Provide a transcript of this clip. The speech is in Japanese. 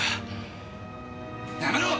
やめろ！